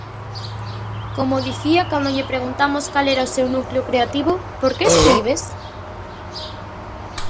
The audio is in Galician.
Como dicía cando lle preguntamos cal era o seu núcleo creativo, por que escribes?